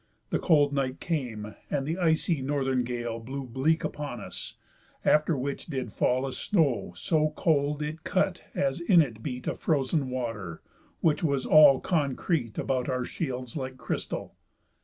The cold night came, and th' icy northern gale Blew bleak upon us, after which did fall A snow so cold, it cut as in it beat A frozen water, which was all concrete About our shields like crystal.